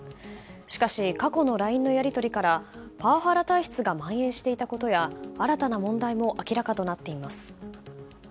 しかし、過去のＬＩＮＥのやり取りからパワハラ体質がまん延していたことや新たな問題も明らかとなっています。